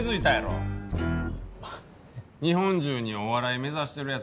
日本中にお笑い目指してる奴